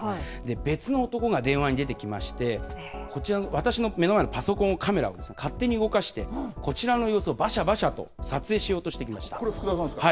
別の男が電話に出てきまして、こちらの、私の目の前のパソコンのカメラを勝手に動かして、こちらの様子をばしゃばしゃと撮影しよこれ、福田さんですか。